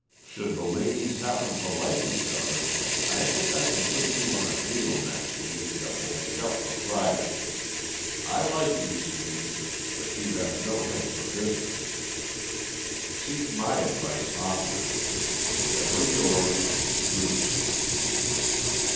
Should the ladies happen to like each other, I think I can put you on to a deal next week that will make up for Friday. I like you, Sneed, but you have no head for business. Seek my advice oftener. Ever yours, DRUCE.